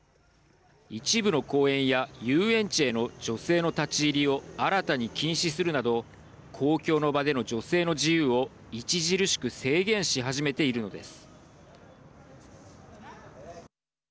一部の公園や遊園地への女性の立ち入りを新たに禁止するなど公共の場での女性の自由を著しく制限し始めているのです。